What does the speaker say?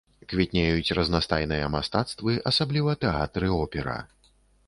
Квітнеюць разнастайныя мастацтвы, асабліва тэатр і опера.